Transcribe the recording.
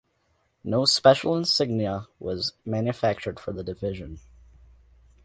No special insignia was manufactured for the division.